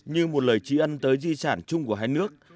như một lời trí ân tới di sản chung của hai nước